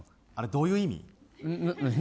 あれ、どういう意味？